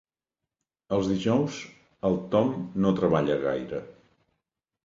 Els dijous el Tom no treballa gaire.